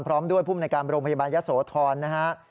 พร้อมด้วยภูมิในการโรงพยาบาลยะโสธรนะฮะ